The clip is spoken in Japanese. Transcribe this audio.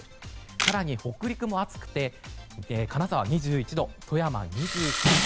更に北陸も暑くて金沢は２１度富山、２３度。